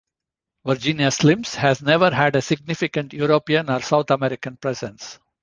Virginia Slims has never had a significant European or South American presence.